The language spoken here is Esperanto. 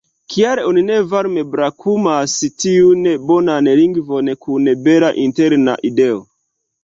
Kial oni ne varme brakumas tiun bonan lingvon kun bela interna ideo?